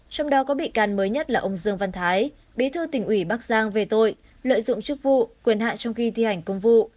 trong đó có bị can mới nhất là ông dương văn thái bí thư tỉnh ủy bắc giang về tội lợi dụng chức vụ quyền hạn trong khi thi hành công vụ